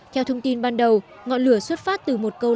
theo thông tin ban đầu ngọn lửa xuất phát từ một câu